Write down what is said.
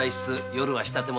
夜は仕立て物。